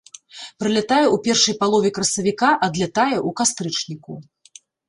Прылятае ў першай палове красавіка, адлятае ў кастрычніку.